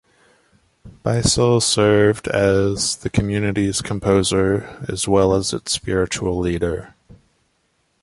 Beissel served as the community's composer as well as its spiritual leader.